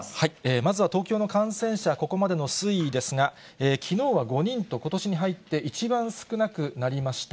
まずは東京の感染者、ここまでの推移ですが、きのうは５人と、ことしに入って一番少なくなりました。